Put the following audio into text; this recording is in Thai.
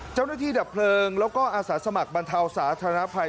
ดับเพลิงแล้วก็อาสาสมัครบรรเทาสาธารณภัย